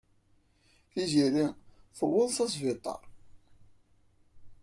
Tiziri tuweḍ s asbiṭar.